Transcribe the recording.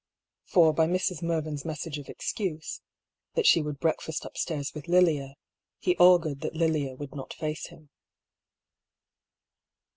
for by Mrs. Mervyn's message of excuse, that she would breakfast upstairs with Lilia, he augured that Lilia would not face him.